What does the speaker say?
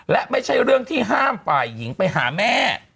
และไม่ใช่เรื่องที่ห้ามฝ่ายหญิงไปหาแม่